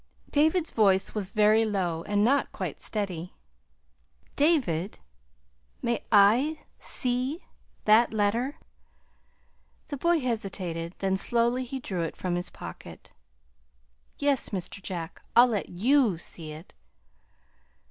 David's voice was very low, and not quite steady. "David, may I see that letter?" The boy hesitated; then slowly he drew it from his pocket. "Yes, Mr. Jack. I'll let YOU see it."